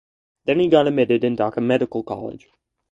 Then he got admitted in Dhaka Medical College.